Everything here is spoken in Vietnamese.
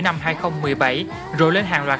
năm hai nghìn một mươi bảy rồi lên hàng loạt